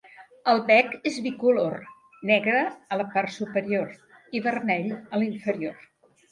El bec és bicolor: negre a la part superior i vermell a la inferior.